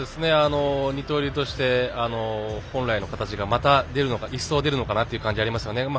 二刀流として本来の形がまた一層、出るのかなという感じがありますよね。